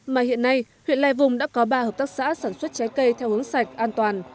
mà hiện nay huyện lai vùng đã có ba hợp tác xã sản xuất trái cây theo hướng sạch an toàn